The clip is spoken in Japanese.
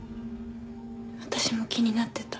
私も気になってた。